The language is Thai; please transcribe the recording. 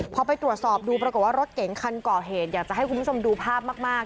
พอไปตรวจสอบดูปรากฏว่ารถเก๋งคันก่อเหตุอยากจะให้คุณผู้ชมดูภาพมาก